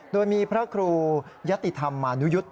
โดยมีพระครูยะติธรรมมานุยุทธ์